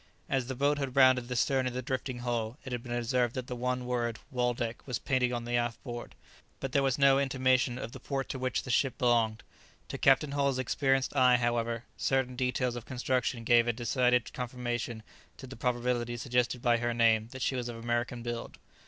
As the boat had rounded the stern of the drifting hull, it had been observed that the one word "Waldeck" was painted on the aft board, but that there was no intimation of the port to which the ship belonged. To Captain Hull's experienced eye, however, certain details of construction gave a decided confirmation to the probability suggested by her name that she was of American build.